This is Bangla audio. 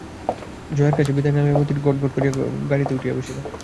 জয়ার কাছে বিদায় না লইয়া মতি গটগট করিয়া গাড়িতে উঠিয়া বসিল।